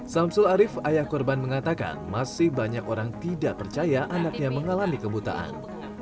samsul arief ayah korban mengatakan masih banyak orang tidak percaya anaknya mengalami kebutaan